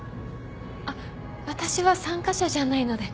あっ私は参加者じゃないので。